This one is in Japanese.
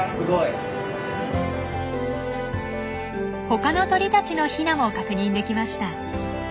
他の鳥たちのヒナも確認できました。